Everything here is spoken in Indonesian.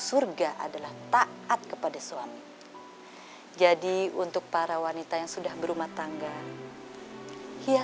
sampai jumpa di video selanjutnya